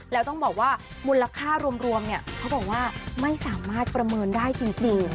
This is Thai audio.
แล้วต้องบอกว่ามูลค่ารวมเนี่ยเขาบอกว่าไม่สามารถประเมินได้จริง